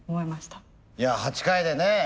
いや８回でね